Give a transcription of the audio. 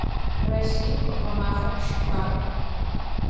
Россием гъэмафэм щыфаб.